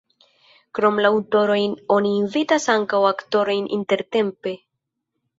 Krom la aŭtorojn oni invitas ankaŭ aktorojn intertempe.